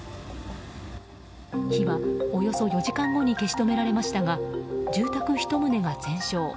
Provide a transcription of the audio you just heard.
火はおよそ４時間後に消し止められましたが住宅１棟が全焼。